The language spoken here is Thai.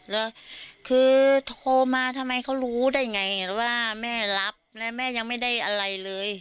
แล้วคือโทรมาทำไมเขารู้ได้ไงว่าแม่รับแล้วแม่ยังไม่ได้อะไรเลย